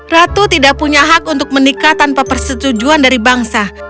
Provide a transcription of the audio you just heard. ratu tidak punya hak untuk menikah tanpa persetujuan dari bangsa